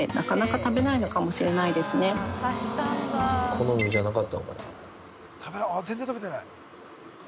好みじゃなかったのかな。